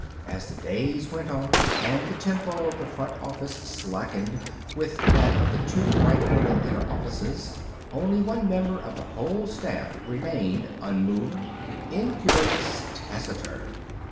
As the days went on and the tempo of the front office slackened with that of the two bright little inner offices, only one member of the whole staff remained unmoved, incurious, taciturn.